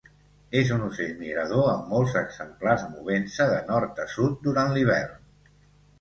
És un ocell migrador amb molts exemplars movent-se de nord a sud durant l'hivern.